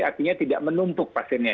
artinya tidak menumpuk pasiennya